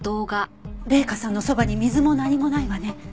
麗華さんのそばに水も何もないわね。